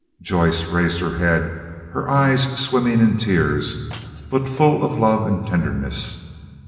Joyce raised her head, her eyes swimming in tears, but full of love and tenderness.